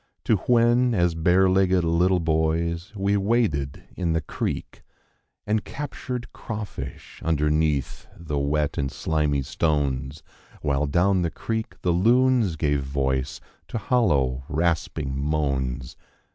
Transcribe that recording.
To when, as bare legged 'f little boys, we waded in the creek And captured crawfish underneath the wet and slimy stones. While down the creek the loons gave voice to low, rasping moans.